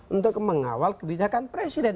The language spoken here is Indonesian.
untuk mengawal kebijakan presiden